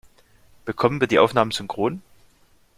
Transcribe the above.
Bekommen wir die Aufnahmen synchron?